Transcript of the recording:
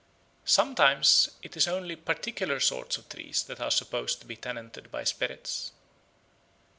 Sometimes it is only particular sorts of trees that are supposed to be tenanted by spirits.